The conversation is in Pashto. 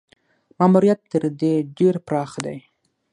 ماموریت تر دې ډېر پراخ دی.